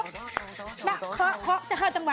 แม่เขาจังหวะ